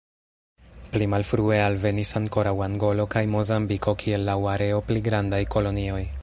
Pli malfrue alvenis ankoraŭ Angolo kaj Mozambiko kiel laŭ areo pli grandaj kolonioj.